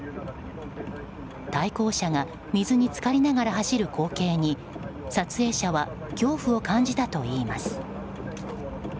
対向車が水に浸かりながら走る光景に撮影者は恐怖を感じたといいます。